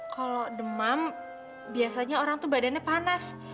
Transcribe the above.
kalau demam biasanya orang tuh badannya panas